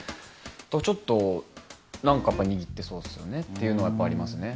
ちょっと何か握ってそうですよねっていうのはありますね。